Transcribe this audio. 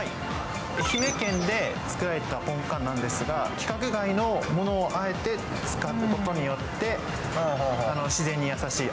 愛媛県で作られたぽんかんなんですが、規格外のものをあえて使ったことによって自然に優しい。